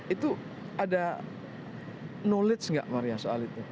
itu ada knowledge gak maria soal itu